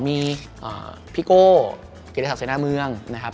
มีพี่โก้เกียรติศักดิ์เสนอเมือง